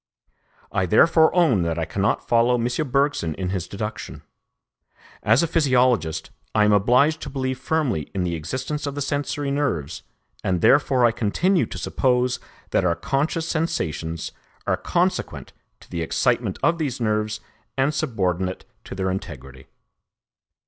I therefore own that I cannot follow M. Bergson in his deduction. As a physiologist, I am obliged to believe firmly in the existence of the sensory nerves, and therefore I continue to suppose that our conscious sensations are consequent to the excitement of these nerves and subordinate to their integrity.